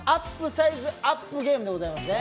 サイズアップゲームでございますね。